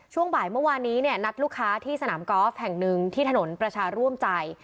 ช่วงบ่ายเมื่อวานนี้เนี่ยนัดลูกค้าที่สนามกอล์ฟแห่งหนึ่งที่ถนนประชาร่วมใจ